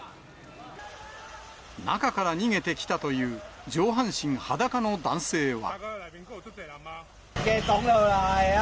中から逃げてきたという、上半身裸の男性は。